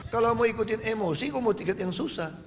kalau mau ikutin emosi aku mau tiket yang susah